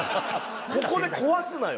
ここで壊すなよ。